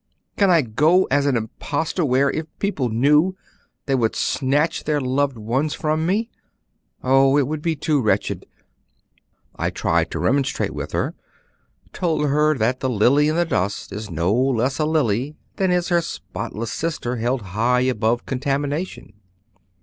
Can I go as an impostor where, if people knew, they would snatch their loved ones from me? Oh, it would be too wretched!' I tried to remonstrate with her, told her that the lily in the dust is no less a lily than is her spotless sister held high above contamination.